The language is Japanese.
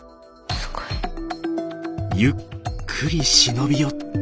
ゆっくり忍び寄って。